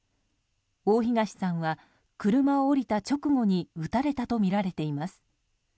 大東さんは車を降りた直後に撃たれたとみられています。